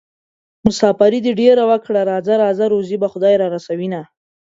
مساپري دې ډېره وکړه راځه راځه روزي به خدای رارسوينه